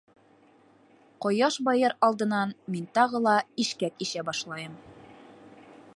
Ҡояш байыр алдынан мин тағы ла ишкәк ишә башлайым.